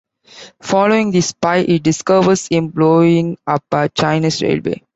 Following the spy, he discovers him blowing up a Chinese railway.